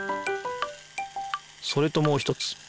それともう一つ。